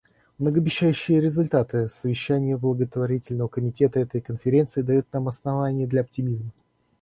Многообещающие результаты совещания Подготовительного комитета этой Конференции дают нам основания для оптимизма.